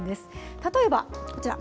例えばこちら。